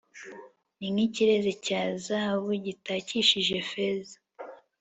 ni nk'ikirezi cya zahabu gitakishije feza